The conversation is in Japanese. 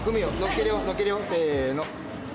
せの。